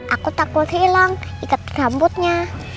aku takut hilang ikat rambutnya